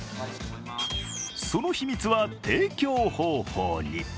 その秘密は提供方法に。